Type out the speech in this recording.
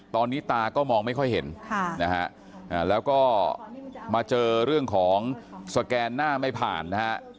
ตอนนี้ตาก็มองไม่ค่อยเห็นนะฮะแล้วก็มาเจอเรื่องของสแกนหน้าไม่ผ่านนะฮะ